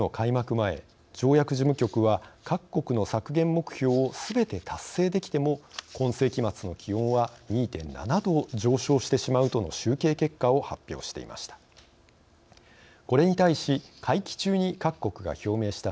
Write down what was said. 前条約事務局は各国の削減目標をすべて達成できても今世紀末の気温は２．７℃上昇してしまうとの集計結果を発表していました。